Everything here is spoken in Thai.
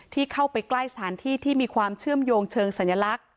ที่เข้าไปใกล้สถานที่ที่มีความเชื่อมโยงเชิงสัญลักษณ